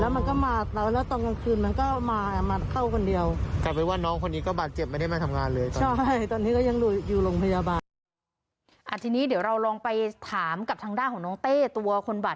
แล้วมันก็มาตอนกลางคืนมันก็มาเข้าคนเดียว